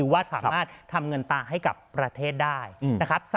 ว่าสามารถทำเงินตาให้กับประเทศได้นะครับ